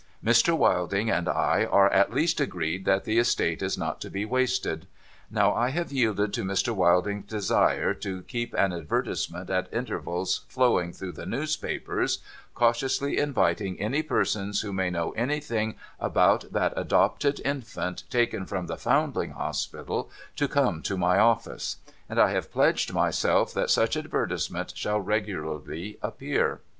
Mr. Wilding and I are, at least, agreed that the estate is not to be wasted. Now, I have yielded to Mr. Wilding's desire to keep an advertisement at intervals flowing through the newspapers, cautiously inviting any person who may know anything about that adopted infant, taken from the Foundling Hospital, to come to my office ; and I have pledged myself that such advertisement shall regularly appear.